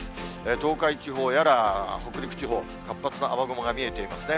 東海地方やら北陸地方、活発な雨雲が見えていますね。